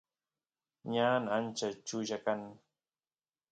ñan ancha chulla kan